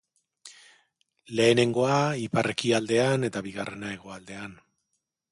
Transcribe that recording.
Lehenengoa ipar-ekialdean eta bigarrena hegoaldean.